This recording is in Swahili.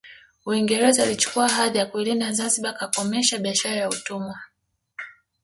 Uingereza ilichukua hadhi ya kuilinda Zanzibari kakomesha biashara ya utumwa